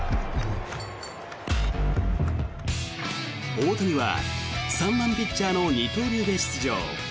大谷は３番ピッチャーの二刀流で出場。